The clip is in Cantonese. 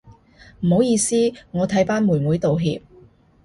唔好意思啊，我替班妹妹道歉